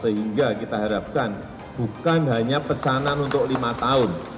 sehingga kita harapkan bukan hanya pesanan untuk lima tahun